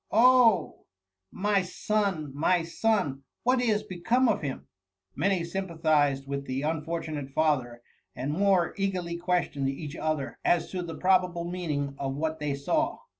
Oh I my son I my son ! what is become of him P^ Many sympathized with the unfortunate father, and more eagerly questioned each other as to the probable meaning of what they saw.